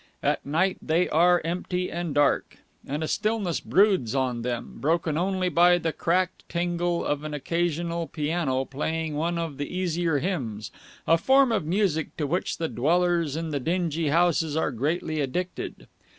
At night they are empty and dark, and a stillness broods on them, broken only by the cracked tingle of an occasional piano playing one of the easier hymns, a form of music to which the dwellers in the dingy houses are greatly addicted.